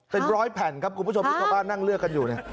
เป็นร้อยแผ่นครับคุณผู้ชมที่ชาวบ้านนั่งเลือกกันอยู่เนี่ย